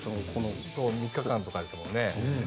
３日間とかですもんね。